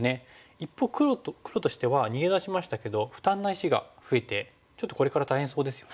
一方黒としては逃げ出しましたけど負担な石が増えてちょっとこれから大変そうですよね。